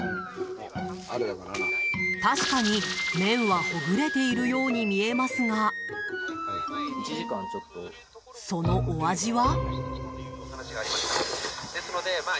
確かに、麺はほぐれているように見えますが、そのお味は？